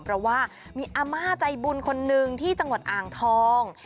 เพราะว่ามีอาม่าใจบุญคนนึงที่จังหวัดอ่างทอง